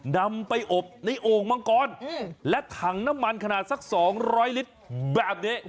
นำไปอบในโอ่งมังกรและถังน้ำมันขนาดสัก๒๐๐ลิตรแบบนี้